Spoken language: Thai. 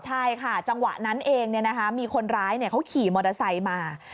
ใช่ค่ะจังหวะนั้นเองมีคนร้ายเขาขี่มอเตอร์ไซค์มา